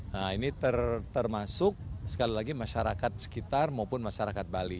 nah ini termasuk sekali lagi masyarakat sekitar maupun masyarakat bali